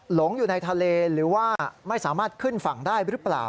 หลงอยู่ในทะเลหรือว่าไม่สามารถขึ้นฝั่งได้หรือเปล่า